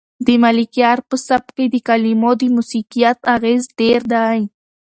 د ملکیار په سبک کې د کلمو د موسیقیت اغېز ډېر دی.